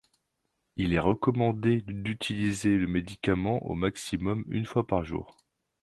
Il est recommandé d’utiliser le médicament au maximum une fois par jour.